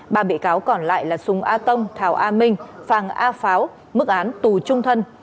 ba bị cáo còn lại là sùng a tông thảo a minh phàng a pháo mức án tù trung thân